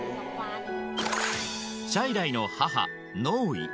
チャイライの母ノーイ